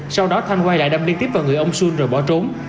sau đó thanh quay lại đâm liên tiếp vào người ông xuân rồi bỏ trốn